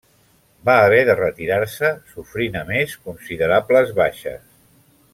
Va haver de retirar-se, sofrint a més considerables baixes.